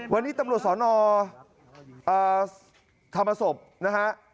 วันนี้ตำรวจสนธรรมศพนะฮะ